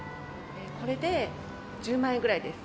これで１０万円ぐらいです。